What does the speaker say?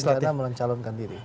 beliau berencana mencalonkan diri